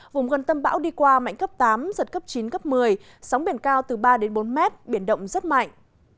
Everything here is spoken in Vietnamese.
vùng gần tâm bão đi qua mạnh cấp tám giật cấp chín cấp một mươi sóng biển cao từ ba đến bốn mét biển động rất mạnh